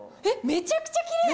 めちゃくちゃきれい！